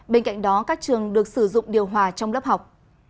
bên cạnh đó các trường được sử dụng điều hòa trong lớp học